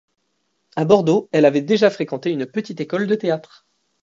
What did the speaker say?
À Bordeaux, elle avait déjà fréquenté une petite école de théâtre.